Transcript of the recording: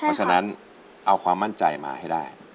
เพราะฉะนั้นเอาความมั่นใจมาให้ได้